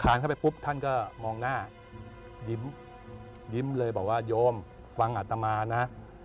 เข้าไปปุ๊บท่านก็มองหน้ายิ้มยิ้มเลยบอกว่าโยมฟังอัตมานะ